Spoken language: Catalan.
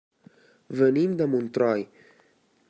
Venim de Montroi.